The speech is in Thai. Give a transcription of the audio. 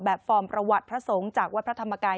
ฟอร์มประวัติพระสงฆ์จากวัดพระธรรมกาย